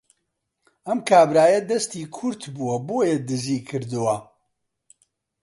ئەم کابرایە دەستی کورت بووە بۆیە دزی کردووە